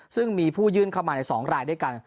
ซึ่งมีผู้ยื่นเข้ามาใน๒รายด้วยกัน